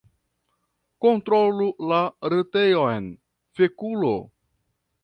"Kontrolu la retejon, fekulo"